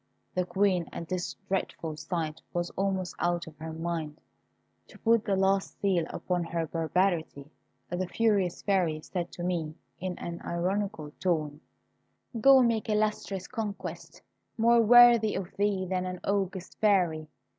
The Queen at this dreadful sight was almost out of her mind. To put the last seal upon her barbarity, the furious Fairy said to me, in an ironical tone, "Go make illustrious conquests, more worthy of thee than an august Fairy.